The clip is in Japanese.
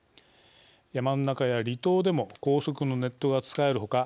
山の中や離島でも高速のネットが使える他